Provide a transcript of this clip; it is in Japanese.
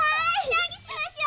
なにしましょう？